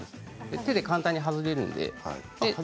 手で簡単に外れるので。